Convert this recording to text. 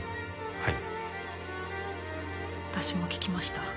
はい。